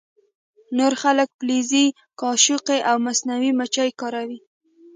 نور خلک فلزي قاشقې او مصنوعي مچۍ کاروي